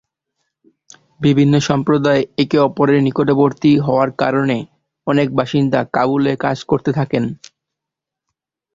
বিভিন্ন সম্প্রদায় একে অপরের নিকটবর্তী হওয়ার কারণে অনেক বাসিন্দা কাবুলে কাজ করে থাকেন।